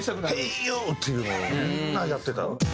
「ＨＥＹＹＯＵ」っていうのをみんなやってた。